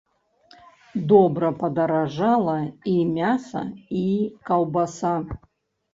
Добра падаражала і мяса, і каўбаса.